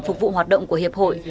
phục vụ hoạt động của hiệp hội